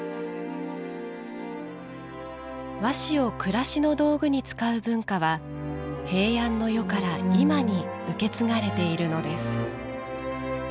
和紙を暮らしの道具に使う文化は平安の世から今に受け継がれているのです。